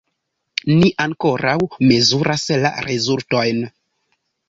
Ni ankoraŭ mezuras la rezultojn.